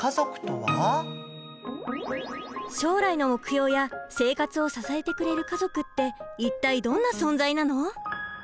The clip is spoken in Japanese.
将来の目標や生活を支えてくれる「家族」って一体どんな存在なの？